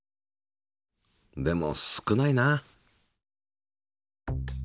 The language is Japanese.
でも少ないな。